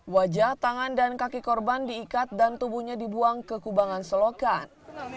wajah tangan dan kaki korban diikat dan tubuhnya dibuang ke kubangan selokan